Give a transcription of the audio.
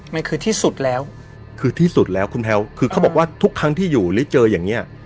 มันคือที่สุดแล้วคือที่สุดแล้วคุณแพลวคือเขาบอกว่าทุกครั้งที่อยู่หรือเจออย่างเงี้ย